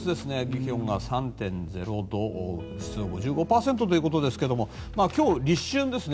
気温が３．０度湿度、５５％ということですけど今日、立春ですね。